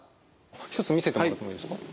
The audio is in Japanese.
一つ見せてもらってもいいですか？